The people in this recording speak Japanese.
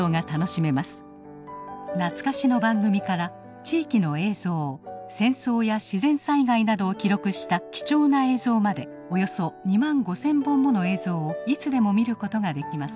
懐かしの番組から地域の映像戦争や自然災害などを記録した貴重な映像までおよそ２万５，０００本もの映像をいつでも見ることができます。